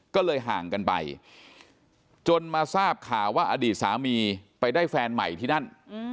ก็เลยห่างกันไปจนมาทราบข่าวว่าอดีตสามีไปได้แฟนใหม่ที่นั่น